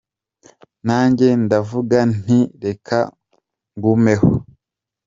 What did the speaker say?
Nanjye ndavuga nti reka ngumeho”.